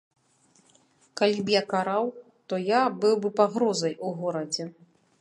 Калі б я караў, то я быў бы пагрозай у горадзе.